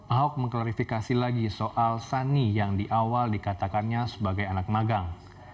ahok mengklarifikasi lagi soal sani yang di awal dikatakannya sebagai anak magang